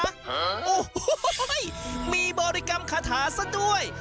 โอ้โหมีบริกรรมคาถาซะด้วย